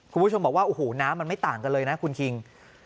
คุณผู้ชมบอกว่าโอ้โหน้ำมันไม่ต่างกันเลยนะคุณคิง